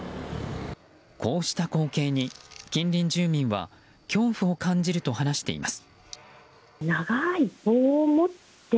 こうした光景に近隣住民は恐怖を感じると話しています。